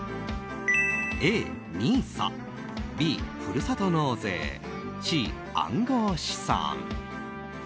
Ａ、ＮＩＳＡＢ、ふるさと納税Ｃ、暗号資産。